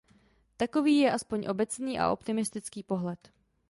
Takový je aspoň obecný a optimistický pohled.